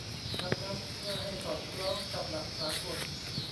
ดังนั้น เพื่อให้สอดคล้องกับหลักสากล